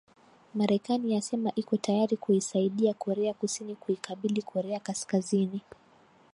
marekani yasema iko tayari kuisaidia korea kusini kuikabili korea kaskazini